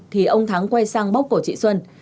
thì ông thắng quay sang bóp cổ chị xuân